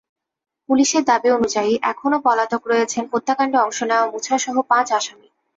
পুলিশের দাবি অনুযায়ী এখনো পলাতক রয়েছেন হত্যাকাণ্ডে অংশ নেওয়া মুছাসহ পাঁচ আসামি।